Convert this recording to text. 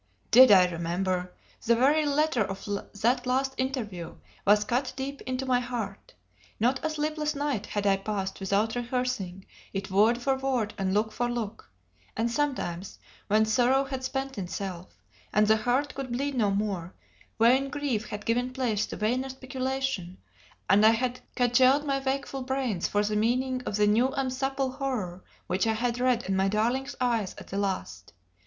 Did I remember! The very letter of that last interview was cut deep in my heart; not a sleepless night had I passed without rehearsing it word for word and look for look; and sometimes, when sorrow had spent itself, and the heart could bleed no more, vain grief had given place to vainer speculation, and I had cudgelled my wakeful brains for the meaning of the new and subtle horror which I had read in my darling's eyes at the last.